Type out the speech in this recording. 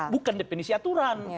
bukan depenisi aturan